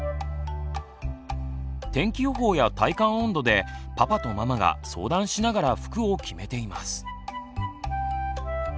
天気予報や体感温度でパパとママが相談しながら服を決めています。